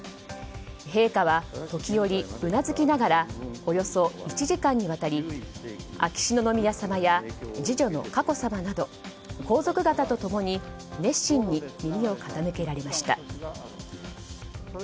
陛下は時折うなずきながらおよそ１時間にわたり秋篠宮さまや次女の佳子さまなど皇族方とともに熱心に耳を傾けられました。